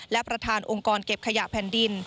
และประธานองค์กรเก็บขยะแผ่นดิน